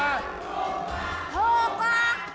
เบ๊กเองก็ยินมา